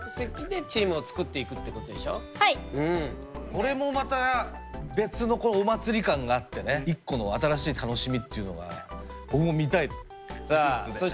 これもまた別のお祭り感があってね一個の新しい楽しみというのが僕も見たい。